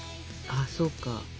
ああそうか。